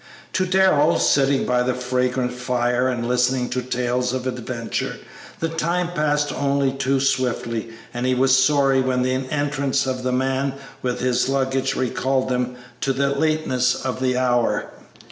To Darrell, sitting by the fragrant fire and listening to tales of adventure, the time passed only too swiftly, and he was sorry when the entrance of the man with his luggage recalled them to the lateness of the hour.